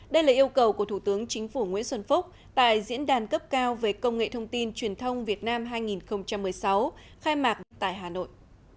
đây là yêu cầu của thủ tướng chính phủ nguyễn xuân phúc tại diễn đàn cấp cao về công nghệ thông tin truyền thông việt nam hai nghìn một mươi sáu khai mạc tại hà nội